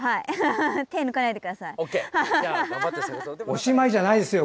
おしまいじゃないですよ。